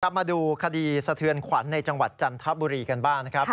มาดูคดีสะเทือนขวัญในจังหวัดจันทบุรีกันบ้างนะครับ